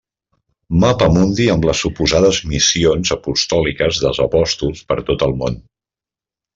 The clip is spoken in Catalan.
Mapamundi amb les suposades missions apostòliques dels apòstols per tot el món.